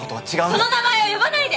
その名前を呼ばないで！